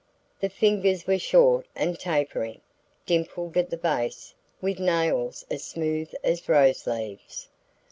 The fingers were short and tapering, dimpled at the base, with nails as smooth as rose leaves.